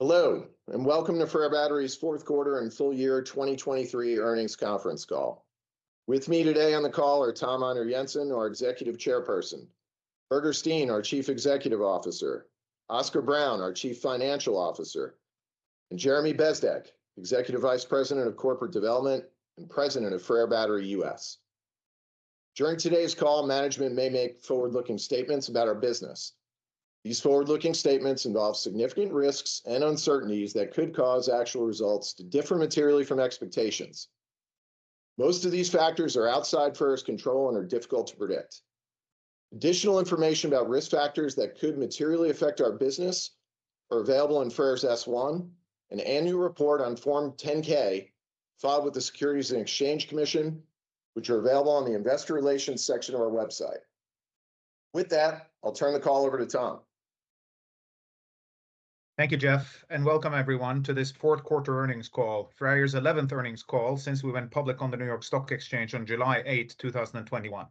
Hello and welcome to FREYR Battery's fourth quarter and full year 2023 earnings conference call. With me today on the call are Tom Einar Jensen, our Executive Chair; Birger Steen, our Chief Executive Officer; Oscar Brown, our Chief Financial Officer; and Jeremy Bezdek, Executive Vice President of Corporate Development and President of FREYR Battery U.S. During today's call, management may make forward-looking statements about our business. These forward-looking statements involve significant risks and uncertainties that could cause actual results to differ materially from expectations. Most of these factors are outside FREYR's control and are difficult to predict. Additional information about risk factors that could materially affect our business is available in FREYR's S-1, an annual report on Form 10-K filed with the Securities and Exchange Commission, which is available on the Investor Relations section of our website. With that, I'll turn the call over to Tom. Thank you, Jeff, and welcome everyone to this fourth quarter earnings call, FREYR's 11th earnings call since we went public on the New York Stock Exchange on July 8, 2021.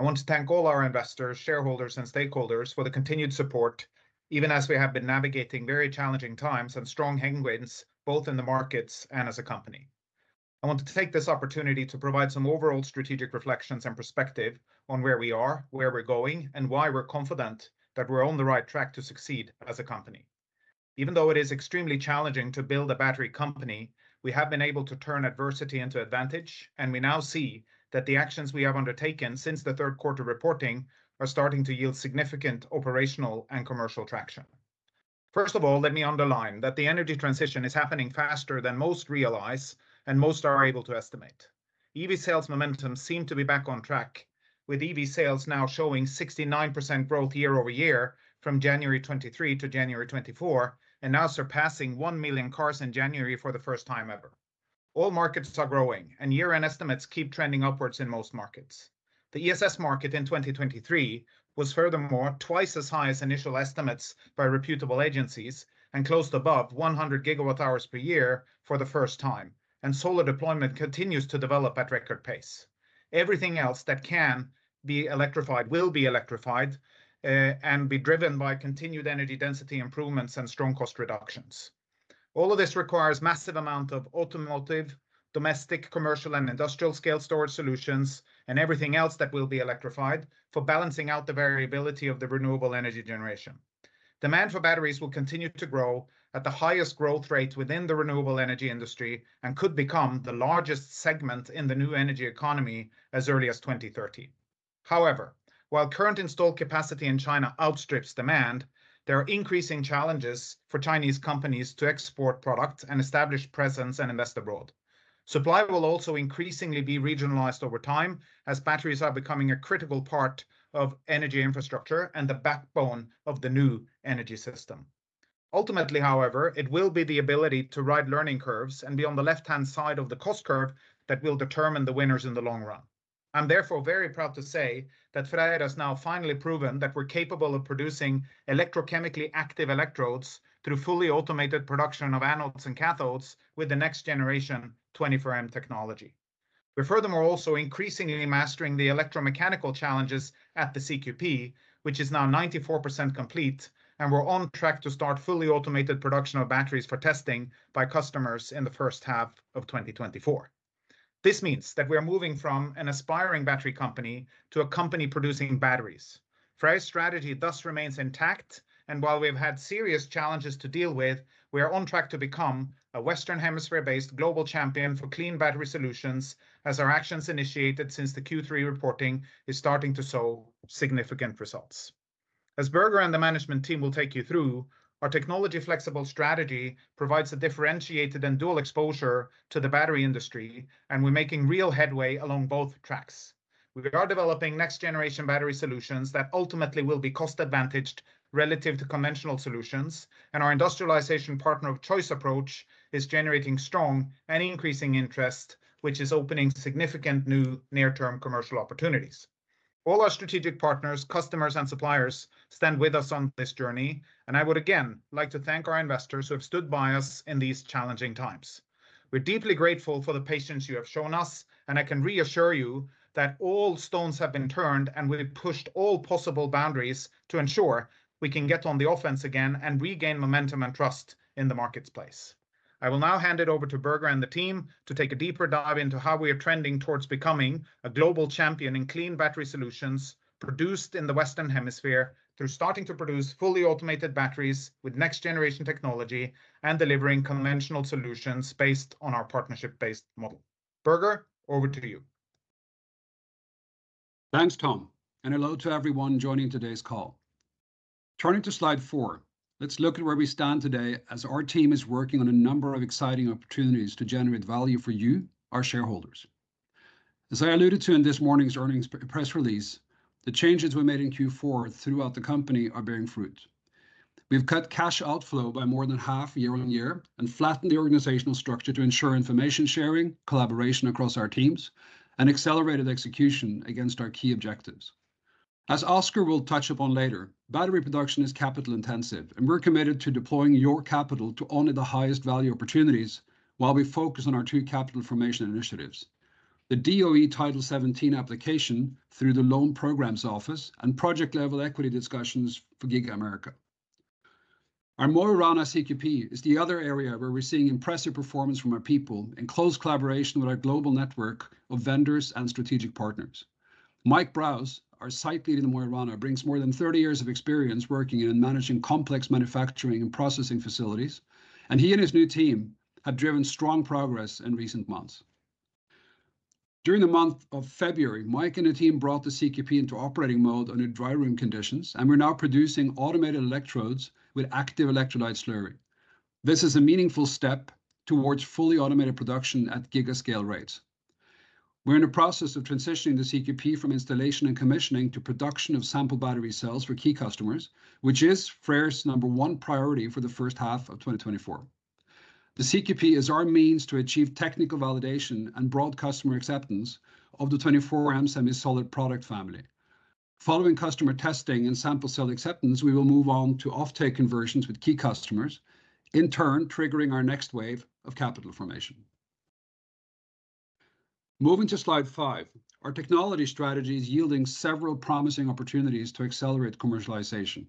I want to thank all our investors, shareholders, and stakeholders for the continued support, even as we have been navigating very challenging times and strong headwinds both in the markets and as a company. I want to take this opportunity to provide some overall strategic reflections and perspective on where we are, where we're going, and why we're confident that we're on the right track to succeed as a company. Even though it is extremely challenging to build a battery company, we have been able to turn adversity into advantage, and we now see that the actions we have undertaken since the third quarter reporting are starting to yield significant operational and commercial traction. First of all, let me underline that the energy transition is happening faster than most realize and most are able to estimate. EV sales momentum seemed to be back on track, with EV sales now showing 69% growth year-over-year from January 2023 to January 2024, and now surpassing 1 million cars in January for the first time ever. All markets are growing, and year-end estimates keep trending upwards in most markets. The ESS market in 2023 was, furthermore, twice as high as initial estimates by reputable agencies and closed above 100 GWh per year for the first time, and solar deployment continues to develop at record pace. Everything else that can be electrified will be electrified and be driven by continued energy density improvements and strong cost reductions. All of this requires a massive amount of automotive, domestic, commercial, and industrial-scale storage solutions and everything else that will be electrified for balancing out the variability of the renewable energy generation. Demand for batteries will continue to grow at the highest growth rate within the renewable energy industry and could become the largest segment in the new energy economy as early as 2030. However, while current installed capacity in China outstrips demand, there are increasing challenges for Chinese companies to export products and establish presence and invest abroad. Supply will also increasingly be regionalized over time as batteries are becoming a critical part of energy infrastructure and the backbone of the new energy system. Ultimately, however, it will be the ability to ride learning curves and be on the left-hand side of the cost curve that will determine the winners in the long run. I'm therefore very proud to say that FREYR has now finally proven that we're capable of producing electrochemically active electrodes through fully automated production of anodes and cathodes with the next-generation 24M Technology. We're, furthermore, also increasingly mastering the electromechanical challenges at the CQP, which is now 94% complete, and we're on track to start fully automated production of batteries for testing by customers in the first half of 2024. This means that we are moving from an aspiring battery company to a company producing batteries. FREYR's strategy thus remains intact, and while we have had serious challenges to deal with, we are on track to become a Western Hemisphere-based global champion for clean battery solutions, as our actions initiated since the Q3 reporting are starting to sow significant results. As Birger and the management team will take you through, our technology-flexible strategy provides a differentiated and dual exposure to the battery industry, and we're making real headway along both tracks. We are developing next-generation battery solutions that ultimately will be cost-advantaged relative to conventional solutions, and our industrialization partner of choice approach is generating strong and increasing interest, which is opening significant new near-term commercial opportunities. All our strategic partners, customers, and suppliers stand with us on this journey, and I would again like to thank our investors who have stood by us in these challenging times. We're deeply grateful for the patience you have shown us, and I can reassure you that all stones have been turned, and we've pushed all possible boundaries to ensure we can get on the offense again and regain momentum and trust in the marketplace. I will now hand it over to Birger and the team to take a deeper dive into how we are trending towards becoming a global champion in clean battery solutions produced in the Western Hemisphere through starting to produce fully automated batteries with next-generation technology and delivering conventional solutions based on our partnership-based model. Birger, over to you. Thanks, Tom, and hello to everyone joining today's call. Turning to slide four, let's look at where we stand today as our team is working on a number of exciting opportunities to generate value for you, our shareholders. As I alluded to in this morning's earnings press release, the changes we made in Q4 throughout the company are bearing fruit. We've cut cash outflow by more than half year-over-year and flattened the organizational structure to ensure information sharing, collaboration across our teams, and accelerated execution against our key objectives. As Oscar will touch upon later, battery production is capital-intensive, and we're committed to deploying your capital to honor the highest value opportunities while we focus on our two capital formation initiatives: the DOE Title 17 application through the Loan Programs Office and project-level equity discussions for Giga America. Mo i Rana CQP is the other area where we're seeing impressive performance from our people in close collaboration with our global network of vendors and strategic partners. Michael Brose, our site lead in the Mo i Rana, brings more than 30 years of experience working in and managing complex manufacturing and processing facilities, and he and his new team have driven strong progress in recent months. During the month of February, Michael Brose and the team brought the CQP into operating mode under dry room conditions, and we're now producing automated electrodes with active electrolyte slurry. This is a meaningful step towards fully automated production at gigascale rates. We're in the process of transitioning the CQP from installation and commissioning to production of sample battery cells for key customers, which is FREYR's number one priority for the first half of 2024. The CQP is our means to achieve technical validation and broad customer acceptance of the 24M SemiSolid product family. Following customer testing and sample cell acceptance, we will move on to off-take conversions with key customers, in turn triggering our next wave of capital formation. Moving to slide five, our technology strategy is yielding several promising opportunities to accelerate commercialization.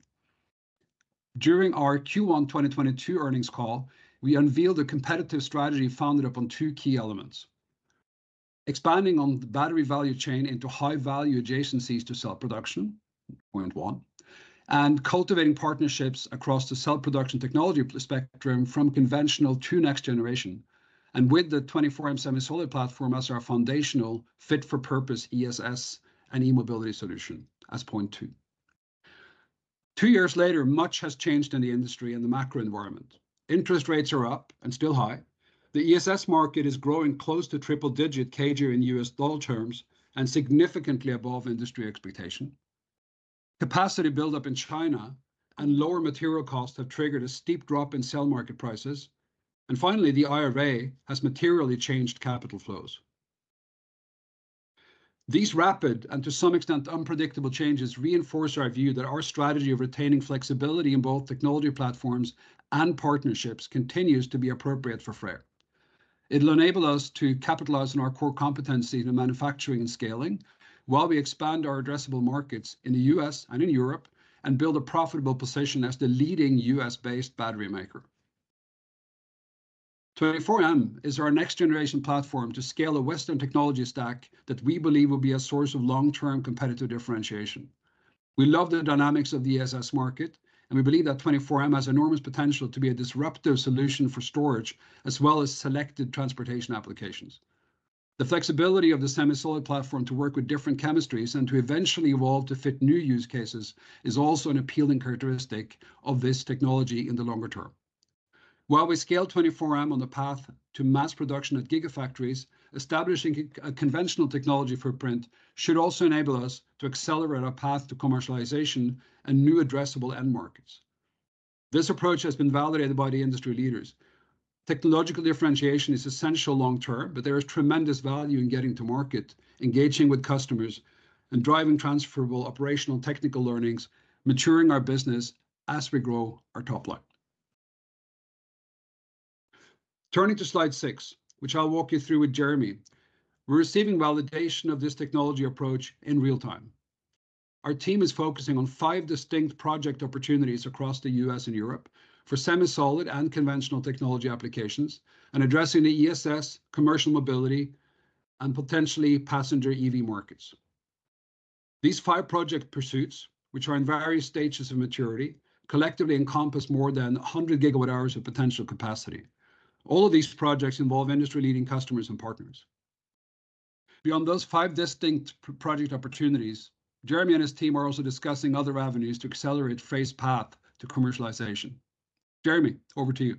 During our Q1 2022 earnings call, we unveiled a competitive strategy founded upon two key elements: expanding on the battery value chain into high-value adjacencies to cell production (point one) and cultivating partnerships across the cell production technology spectrum from conventional to next generation, and with the 24M SemiSolid platform as our foundational fit-for-purpose ESS and e-mobility solution (as point two). Two years later, much has changed in the industry and the macro environment. Interest rates are up and still high. The ESS market is growing close to triple-digit CAGR in U.S. dollar terms and significantly above industry expectation. Capacity buildup in China and lower material costs have triggered a steep drop in cell market prices, and finally, the IRA has materially changed capital flows. These rapid and to some extent unpredictable changes reinforce our view that our strategy of retaining flexibility in both technology platforms and partnerships continues to be appropriate for FREYR. It will enable us to capitalize on our core competencies in manufacturing and scaling while we expand our addressable markets in the U.S. and in Europe and build a profitable position as the leading U.S.-based battery maker. 24M is our next-generation platform to scale a Western technology stack that we believe will be a source of long-term competitive differentiation. We love the dynamics of the ESS market, and we believe that 24M has enormous potential to be a disruptive solution for storage as well as selected transportation applications. The flexibility of the SemiSolid platform to work with different chemistries and to eventually evolve to fit new use cases is also an appealing characteristic of this technology in the longer term. While we scale 24M on the path to mass production at gigafactories, establishing a conventional technology footprint should also enable us to accelerate our path to commercialization and new addressable end markets. This approach has been validated by the industry leaders. Technological differentiation is essential long term, but there is tremendous value in getting to market, engaging with customers, and driving transferable operational technical learnings, maturing our business as we grow our top line. Turning to slide six, which I'll walk you through with Jeremy, we're receiving validation of this technology approach in real time. Our team is focusing on five distinct project opportunities across the U.S. and Europe for SemiSolid and conventional technology applications and addressing the ESS, commercial mobility, and potentially passenger EV markets. These five project pursuits, which are in various stages of maturity, collectively encompass more than 100 GWh of potential capacity. All of these projects involve industry-leading customers and partners. Beyond those five distinct project opportunities, Jeremy and his team are also discussing other avenues to accelerate FREYR's path to commercialization. Jeremy, over to you.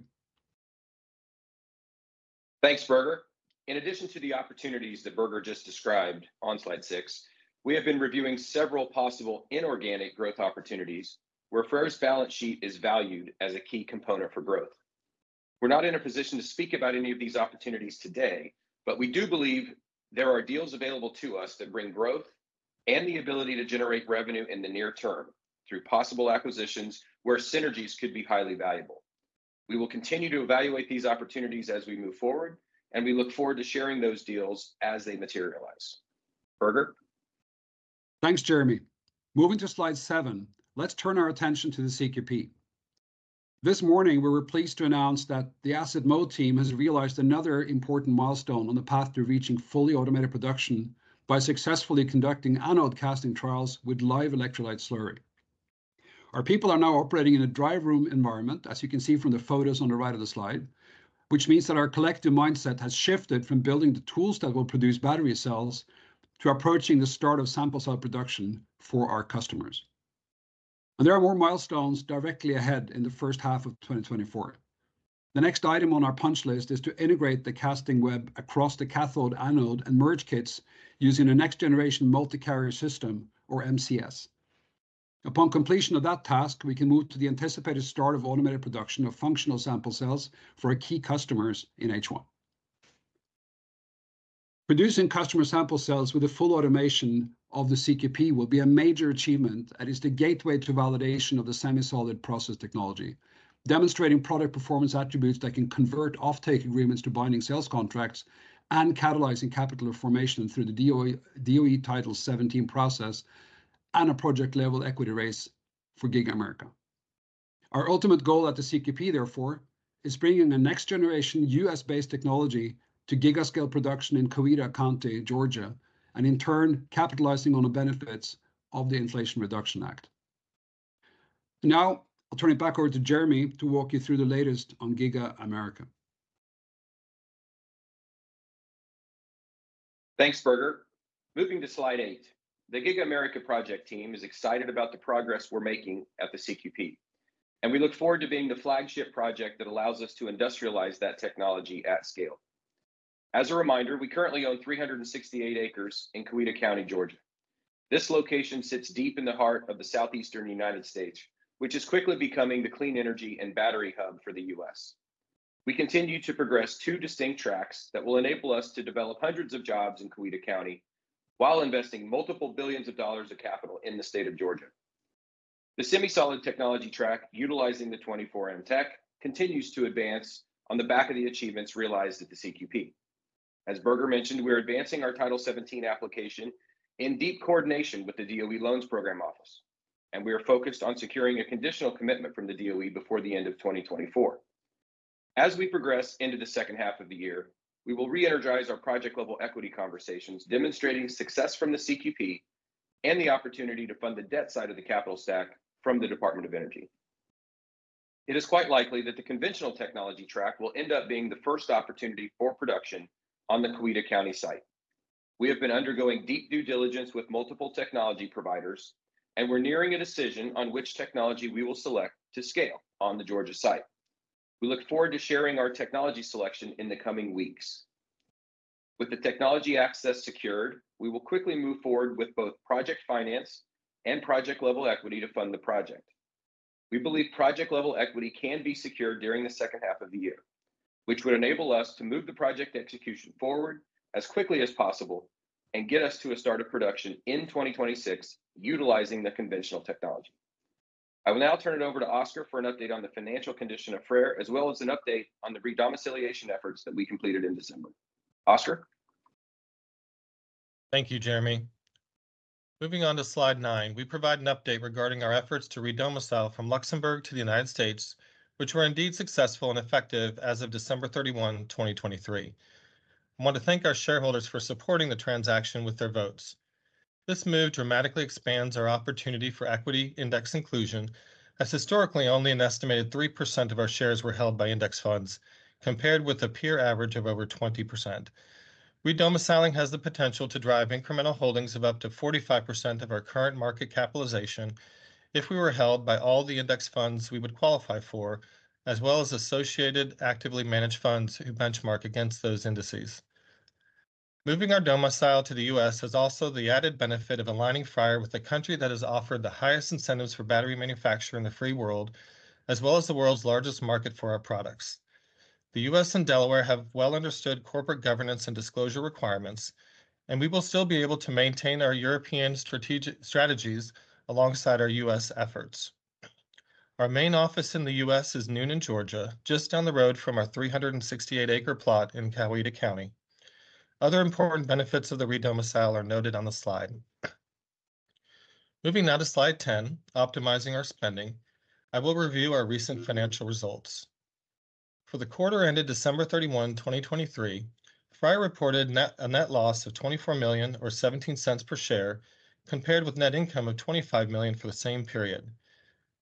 Thanks, Birger. In addition to the opportunities that Birger just described on slide six, we have been reviewing several possible inorganic growth opportunities where FREYR's balance sheet is valued as a key component for growth. We're not in a position to speak about any of these opportunities today, but we do believe there are deals available to us that bring growth and the ability to generate revenue in the near term through possible acquisitions where synergies could be highly valuable. We will continue to evaluate these opportunities as we move forward, and we look forward to sharing those deals as they materialize. Birger? Thanks, Jeremy. Moving to slide seven, let's turn our attention to the CQP. This morning, we were pleased to announce that the Asset Mo team has realized another important milestone on the path to reaching fully automated production by successfully conducting anode casting trials with live electrolyte slurry. Our people are now operating in a dry room environment, as you can see from the photos on the right of the slide, which means that our collective mindset has shifted from building the tools that will produce battery cells to approaching the start of sample cell production for our customers. And there are more milestones directly ahead in the first half of 2024. The next item on our punch list is to integrate the casting web across the cathode, anode, and merge kits using a next-generation multi-carrier system or MCS. Upon completion of that task, we can move to the anticipated start of automated production of functional sample cells for our key customers in H1. Producing customer sample cells with the full automation of the CQP will be a major achievement that is the gateway to validation of the SemiSolid process technology, demonstrating product performance attributes that can convert off-take agreements to binding sales contracts and catalyzing capital formation through the DOE Title 17 process and a project-level equity race for Giga America. Our ultimate goal at the CQP, therefore, is bringing a next-generation U.S.-based technology to gigascale production in Coweta County, Georgia, and in turn capitalizing on the benefits of the Inflation Reduction Act. Now, I'll turn it back over to Jeremy to walk you through the latest on Giga America. Thanks, Birger. Moving to slide eight, the Giga America project team is excited about the progress we're making at the CQP, and we look forward to being the flagship project that allows us to industrialize that technology at scale. As a reminder, we currently own 368 acres in Coweta County, Georgia. This location sits deep in the heart of the Southeastern United States, which is quickly becoming the clean energy and battery hub for the U.S. We continue to progress two distinct tracks that will enable us to develop hundreds of jobs in Coweta County while investing $ multiple billions of capital in the state of Georgia. The SemiSolid technology track, utilizing the 24M Tech, continues to advance on the back of the achievements realized at the CQP. As Birger mentioned, we are advancing our Title 17 application in deep coordination with the DOE Loan Programs Office, and we are focused on securing a conditional commitment from the DOE before the end of 2024. As we progress into the second half of the year, we will re-energize our project-level equity conversations, demonstrating success from the CQP and the opportunity to fund the debt side of the capital stack from the Department of Energy. It is quite likely that the conventional technology track will end up being the first opportunity for production on the Coweta County site. We have been undergoing deep due diligence with multiple technology providers, and we're nearing a decision on which technology we will select to scale on the Georgia site. We look forward to sharing our technology selection in the coming weeks. With the technology access secured, we will quickly move forward with both project finance and project-level equity to fund the project. We believe project-level equity can be secured during the second half of the year, which would enable us to move the project execution forward as quickly as possible and get us to a start of production in 2026 utilizing the conventional technology. I will now turn it over to Oscar for an update on the financial condition of FREYR as well as an update on the redomiciliation efforts that we completed in December. Oscar? Thank you, Jeremy. Moving on to slide nine, we provide an update regarding our efforts to redomicile from Luxembourg to the United States, which were indeed successful and effective as of December 31, 2023. I want to thank our shareholders for supporting the transaction with their votes. This move dramatically expands our opportunity for equity index inclusion as historically only an estimated 3% of our shares were held by index funds compared with a peer average of over 20%. Redomiciling has the potential to drive incremental holdings of up to 45% of our current market capitalization if we were held by all the index funds we would qualify for, as well as associated actively managed funds who benchmark against those indices. Moving our domicile to the U.S. has also the added benefit of aligning FREYR with a country that has offered the highest incentives for battery manufacture in the free world, as well as the world's largest market for our products. The U.S. and Delaware have well understood corporate governance and disclosure requirements, and we will still be able to maintain our European strategies alongside our U.S. efforts. Our main office in the U.S. is Newnan in Georgia, just down the road from our 368-acre plot in Coweta County. Other important benefits of the redomicile are noted on the slide. Moving now to slide 10, optimizing our spending, I will review our recent financial results. For the quarter ended December 31, 2023, FREYR reported a net loss of $24 million or $0.17 per share compared with net income of $25 million for the same period.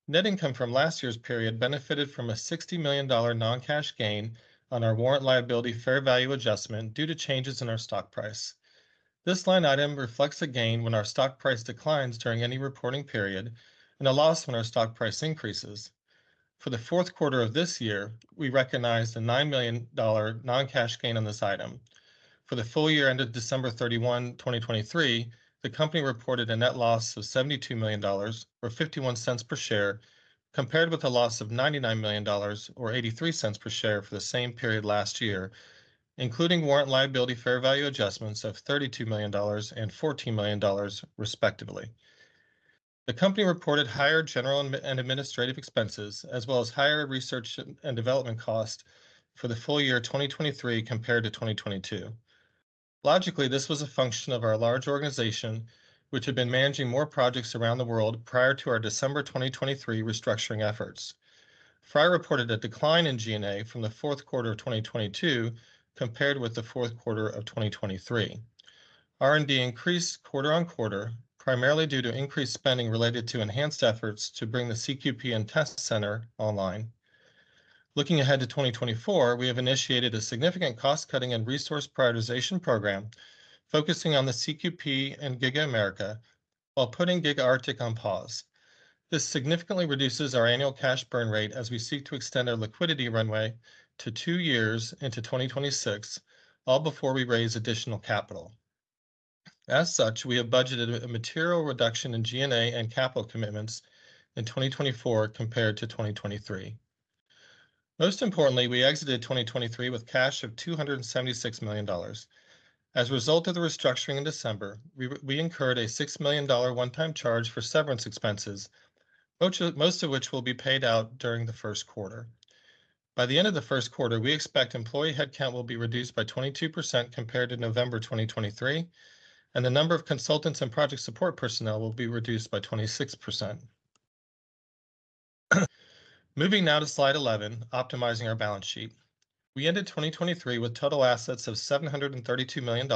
Net income from last year's period benefited from a $60 million non-cash gain on our warrant liability fair value adjustment due to changes in our stock price. This line item reflects a gain when our stock price declines during any reporting period and a loss when our stock price increases. For the fourth quarter of this year, we recognized a $9 million non-cash gain on this item. For the full year ended December 31, 2023, the company reported a net loss of $72 million or $0.51 per share compared with a loss of $99 million or $0.83 per share for the same period last year, including warrant liability fair value adjustments of $32 million and $14 million, respectively. The company reported higher general and administrative expenses as well as higher research and development costs for the full year 2023 compared to 2022. Logically, this was a function of our large organization, which had been managing more projects around the world prior to our December 2023 restructuring efforts. FREYR reported a decline in G&A from the fourth quarter of 2022 compared with the fourth quarter of 2023. R&D increased quarter on quarter, primarily due to increased spending related to enhanced efforts to bring the CQP and test center online. Looking ahead to 2024, we have initiated a significant cost-cutting and resource prioritization program focusing on the CQP and Giga America while putting Giga Arctic on pause. This significantly reduces our annual cash burn rate as we seek to extend our liquidity runway to two years into 2026, all before we raise additional capital. As such, we have budgeted a material reduction in G&A and capital commitments in 2024 compared to 2023. Most importantly, we exited 2023 with cash of $276 million. As a result of the restructuring in December, we incurred a $6 million one-time charge for severance expenses, most of which will be paid out during the first quarter. By the end of the first quarter, we expect employee headcount will be reduced by 22% compared to November 2023, and the number of consultants and project support personnel will be reduced by 26%. Moving now to slide 11, optimizing our balance sheet. We ended 2023 with total assets of $732 million,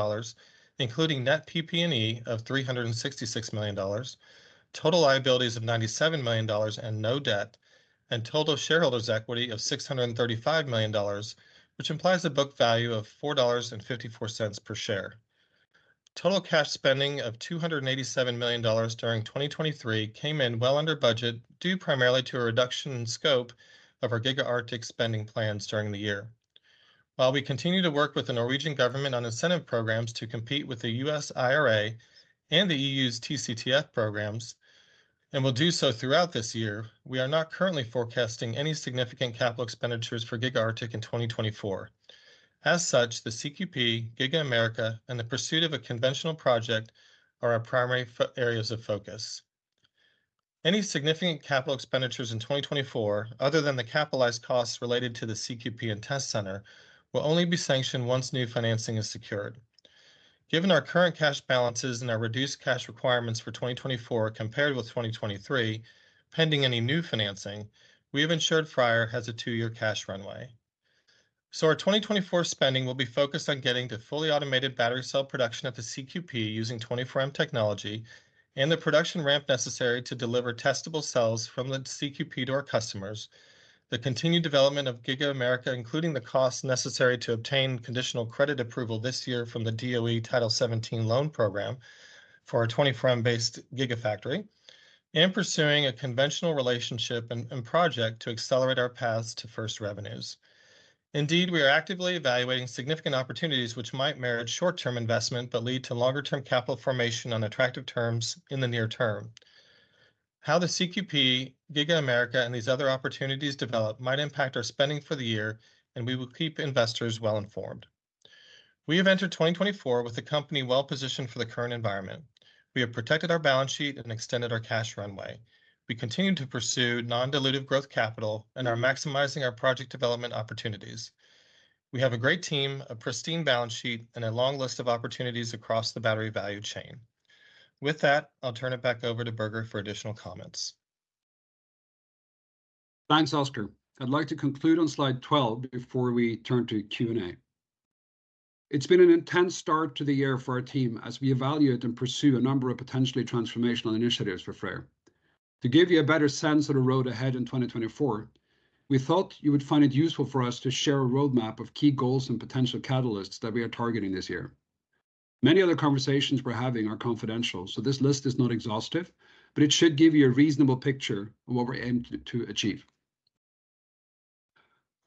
including net PP&E of $366 million, total liabilities of $97 million and no debt, and total shareholders' equity of $635 million, which implies a book value of $4.54 per share. Total cash spending of $287 million during 2023 came in well under budget due primarily to a reduction in scope of our Giga Arctic spending plans during the year. While we continue to work with the Norwegian government on incentive programs to compete with the U.S. IRA and the EU's TCTF programs, and will do so throughout this year, we are not currently forecasting any significant capital expenditures for Giga Arctic in 2024. As such, the CQP, Giga America, and the pursuit of a conventional project are our primary areas of focus. Any significant capital expenditures in 2024, other than the capitalized costs related to the CQP and test center, will only be sanctioned once new financing is secured. Given our current cash balances and our reduced cash requirements for 2024 compared with 2023, pending any new financing, we have ensured FREYR has a two-year cash runway. Our 2024 spending will be focused on getting to fully automated battery cell production at the CQP using 24M Technology and the production ramp necessary to deliver testable cells from the CQP to our customers, the continued development of Giga America, including the costs necessary to obtain conditional credit approval this year from the DOE Title 17 Loan Program for our 24M-based Giga factory, and pursuing a conventional relationship and project to accelerate our path to first revenues. Indeed, we are actively evaluating significant opportunities which might merit short-term investment but lead to longer-term capital formation on attractive terms in the near term. How the CQP, Giga America, and these other opportunities develop might impact our spending for the year, and we will keep investors well informed. We have entered 2024 with the company well positioned for the current environment. We have protected our balance sheet and extended our cash runway. We continue to pursue non-dilutive growth capital and are maximizing our project development opportunities. We have a great team, a pristine balance sheet, and a long list of opportunities across the battery value chain. With that, I'll turn it back over to Birger for additional comments. Thanks, Oscar. I'd like to conclude on slide 12 before we turn to Q&A. It's been an intense start to the year for our team as we evaluate and pursue a number of potentially transformational initiatives for FREYR. To give you a better sense of the road ahead in 2024, we thought you would find it useful for us to share a roadmap of key goals and potential catalysts that we are targeting this year. Many other conversations we're having are confidential, so this list is not exhaustive, but it should give you a reasonable picture of what we're aiming to achieve.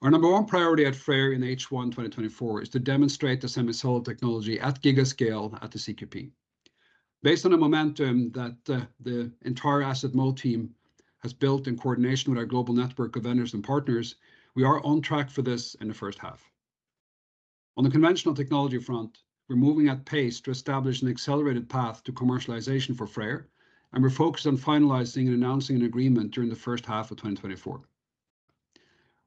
Our number one priority at FREYR in H1 2024 is to demonstrate the SemiSolid technology at giga scale at the CQP. Based on the momentum that the entire Asset Mo team has built in coordination with our global network of vendors and partners, we are on track for this in the first half. On the conventional technology front, we're moving at pace to establish an accelerated path to commercialization for FREYR, and we're focused on finalizing and announcing an agreement during the first half of 2024.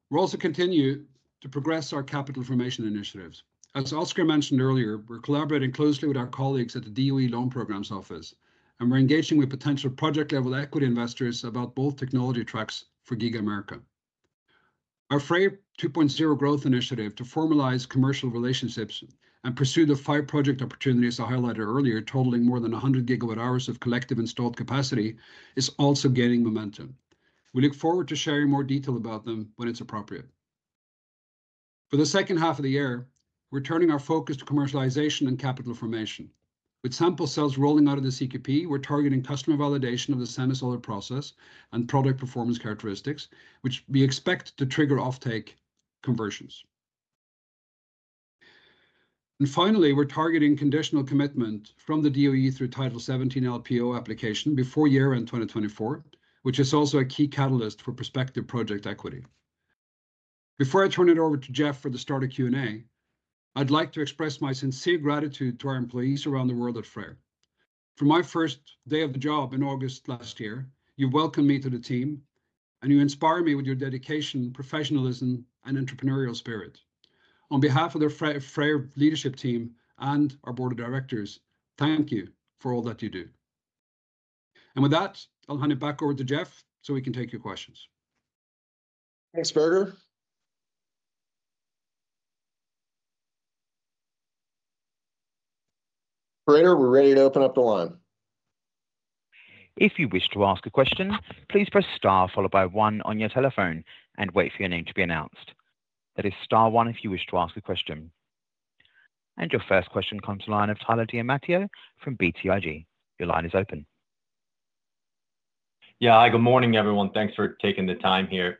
We'll also continue to progress our capital formation initiatives. As Oscar mentioned earlier, we're collaborating closely with our colleagues at the DOE Loan Programs Office, and we're engaging with potential project-level equity investors about both technology tracks for Giga America. Our FREYR 2.0 growth initiative to formalize commercial relationships and pursue the five project opportunities I highlighted earlier, totaling more than 100 gigawatt-hours of collective installed capacity, is also gaining momentum. We look forward to sharing more detail about them when it's appropriate. For the second half of the year, we're turning our focus to commercialization and capital formation. With sample cells rolling out of the CQP, we're targeting customer validation of the SemiSolid process and product performance characteristics, which we expect to trigger offtake conversions. Finally, we're targeting conditional commitment from the DOE through Title 17 LPO application before year-end 2024, which is also a key catalyst for prospective project equity. Before I turn it over to Jeff for the start of Q&A, I'd like to express my sincere gratitude to our employees around the world at FREYR. From my first day of the job in August last year, you've welcomed me to the team, and you inspire me with your dedication, professionalism, and entrepreneurial spirit. On behalf of the FREYR leadership team and our board of directors, thank you for all that you do. With that, I'll hand it back over to Jeff so we can take your questions. Thanks, Birger. Operator, we're ready to open up the line. If you wish to ask a question, please press star followed by one on your telephone and wait for your name to be announced. That is star one if you wish to ask a question. And your first question comes to line of Tyler DiMatteo from BTIG. Your line is open. Yeah, hi, good morning, everyone. Thanks for taking the time here.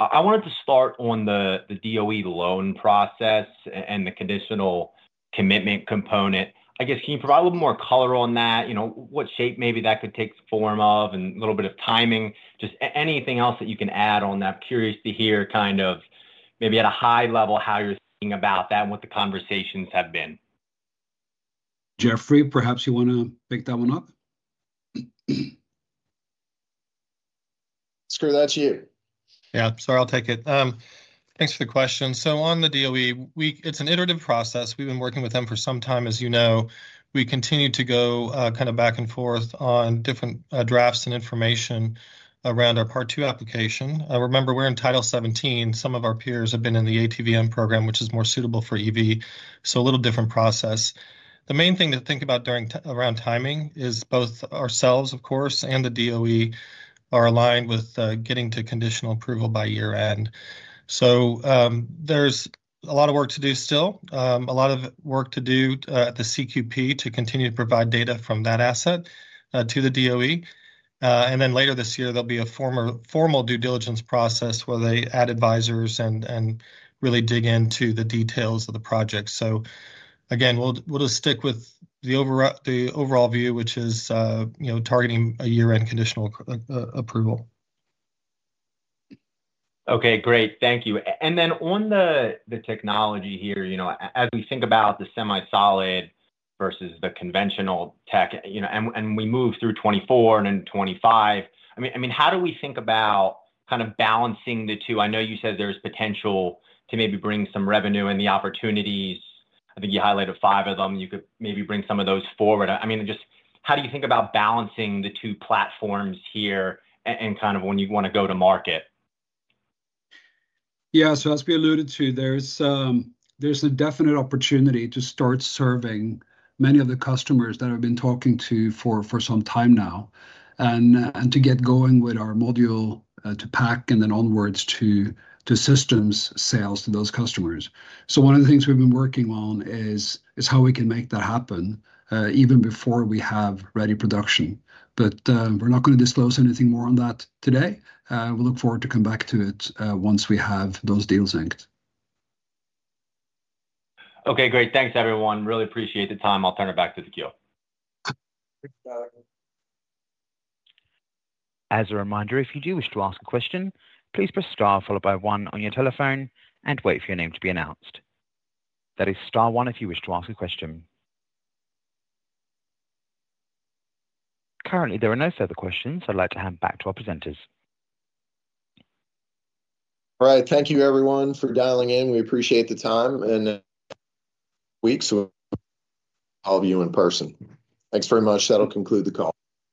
I wanted to start on the DOE loan process and the conditional commitment component. I guess, can you provide a little more color on that? What shape maybe that could take the form of and a little bit of timing? Just anything else that you can add on that. I'm curious to hear kind of maybe at a high level how you're thinking about that and what the conversations have been. Jeffrey, perhaps you want to pick that one up? Throw that to you. Yeah, sorry, I'll take it. Thanks for the question. So on the DOE, it's an iterative process. We've been working with them for some time, as you know. We continue to go kind of back and forth on different drafts and information around our part two application. Remember, we're in Title 17. Some of our peers have been in the ATVM program, which is more suitable for EV, so a little different process. The main thing to think about around timing is both ourselves, of course, and the DOE are aligned with getting to conditional approval by year-end. So there's a lot of work to do still, a lot of work to do at the CQP to continue to provide data from that asset to the DOE. Then later this year, there'll be a formal due diligence process where they add advisors and really dig into the details of the project. Again, we'll just stick with the overall view, which is targeting a year-end conditional approval. Okay, great. Thank you. And then on the technology here, as we think about the SemiSolid versus the conventional tech, and we move through 2024 and then 2025, I mean, how do we think about kind of balancing the two? I know you said there's potential to maybe bring some revenue and the opportunities. I think you highlighted five of them. You could maybe bring some of those forward. I mean, just how do you think about balancing the two platforms here and kind of when you want to go to market? Yeah, so as we alluded to, there's a definite opportunity to start serving many of the customers that I've been talking to for some time now and to get going with our module to pack and then onwards to systems sales to those customers. So one of the things we've been working on is how we can make that happen even before we have ready production. But we're not going to disclose anything more on that today. We'll look forward to coming back to it once we have those deals inked. Okay, great. Thanks, everyone. Really appreciate the time. I'll turn it back to the queue. Thanks, Tyler. As a reminder, if you do wish to ask a question, please press star followed by one on your telephone and wait for your name to be announced. That is star one if you wish to ask a question. Currently, there are no further questions. I'd like to hand back to our presenters. All right. Thank you, everyone, for dialing in. We appreciate the time and weeks with all of you in person. Thanks very much. That'll conclude the call.